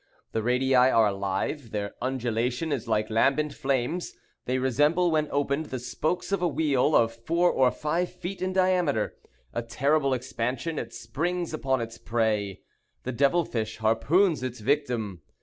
These radii are alive; their undulation is like lambent flames; they resemble, when opened, the spokes of a wheel, of four or five feet in diameter. A terrible expansion! It springs upon its prey. The devil fish harpoons its victim.